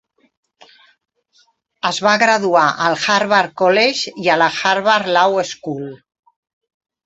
Es va graduar al Harvard College i a la Harvard Law School.